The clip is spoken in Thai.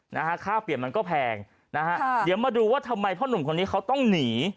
นะฮะค่าเปลี่ยนมันก็แพงนะฮะอ่าเดี๋ยวมาดูว่าทำไมพ่อหนุ่มคนนี้เขาต้องหนี